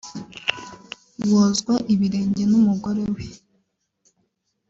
wozwa ibirenge n’umugore we